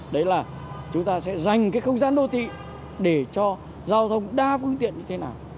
đấy là chúng ta sẽ dành cái không gian đô thị để cho giao thông đa phương tiện như thế nào